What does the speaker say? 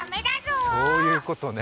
あ、そういうことね。